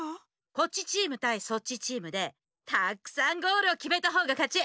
こっちチームたいそっちチームでたくさんゴールをきめたほうがかち。